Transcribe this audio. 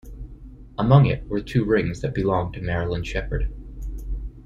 Among it, were two rings that belonged to Marilyn Sheppard.